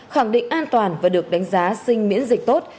khẳng định an toàn và được đánh giá sinh miễn dịch tốt